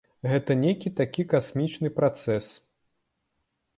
Гэта нейкі такі касмічны працэс.